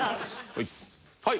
はい。